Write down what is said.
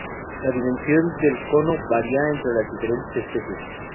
La dimensión del cono varía entre las diferentes especies.